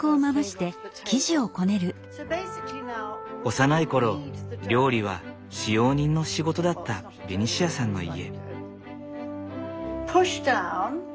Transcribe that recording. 幼い頃料理は使用人の仕事だったベニシアさんの家。